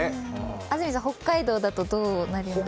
安住さん、北海道だとどうなりますか？